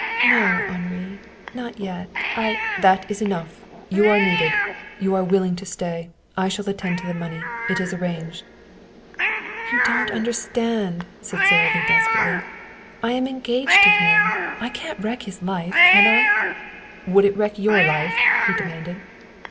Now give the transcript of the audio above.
"No, Henri. Not yet. I " "That is enough. You are needed. You are willing to stay. I shall attend to the money. It is arranged." "You don't understand," said Sara Lee desperately. "I am engaged to him. I can't wreck his life, can I?" "Would it wreck your life?" he demanded.